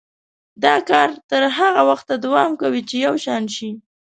دا کار تر هغه وخته دوام کوي چې یو شان شي.